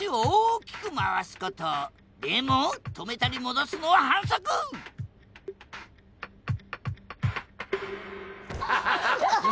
でも止めたり戻すのは反則ハハハ！